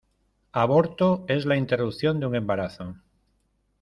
Aborto es la interrupción de un embarazo.